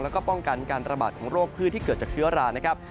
แล้วก็ป้องกันการระบาดของโรคพืชที่เกิดจากเชื้อรานะครับ